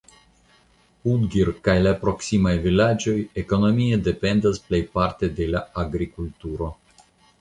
Udgir kaj la proksimaj vilaĝoj ekonomie dependas plejparte de la agrikulturo.